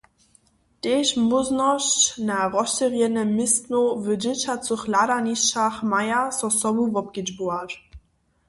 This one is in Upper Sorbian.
Tež móžnosć na rozšěrjenje městnow w dźěćacych hladanišćach maja so sobu wobkedźbować.